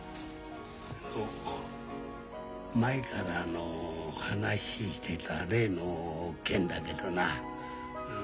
前からの話してた例の件だけどな。